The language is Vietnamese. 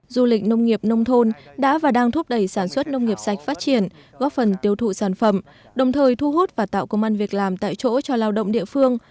du lịch nông nghiệp nông thôn đã và đang thúc đẩy sản xuất nông nghiệp sạch phát triển góp phần tiêu thụ sản phẩm đồng thời thu hút và tạo công an việc làm tại chỗ cho lao động địa phương